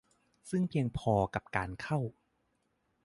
ซึ่งเพียงพอกับการเข้า